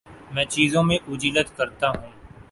میں چیزوں میں عجلت کرتا ہوں